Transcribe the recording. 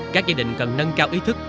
các gia đình cần nâng cao ý thức